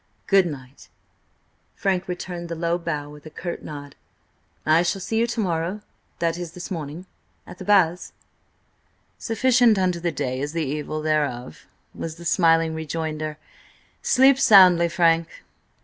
"Good night!" Frank returned the low bow with a curt nod. "I shall see you to morrow–that is, this morning–at the Baths?" "Sufficient unto the day is the evil thereof," was the smiling rejoinder. "Sleep soundly, Frank!"